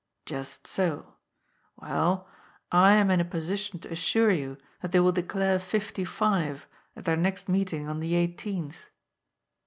" Just so. Well, I am in a position to assure you that they will declare fifty five at their next meeting on the eighteenth."